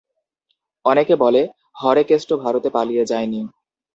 অনেকে বলে, হরেকেষ্ট ভারতে পালিয়ে যায়নি।